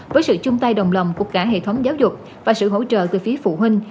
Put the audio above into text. với sự chung tay đồng lòng của cả hệ thống giáo dục và sự hỗ trợ từ phía phụ huynh